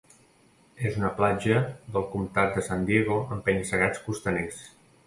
És una platja del comtat de San Diego amb penya-segats costaners.